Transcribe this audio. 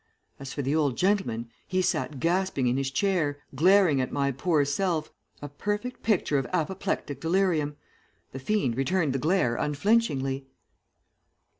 As for the old gentleman, he sat gasping in his chair, glaring at my poor self, a perfect picture of apoplectic delirium. The fiend returned the glare unflinchingly.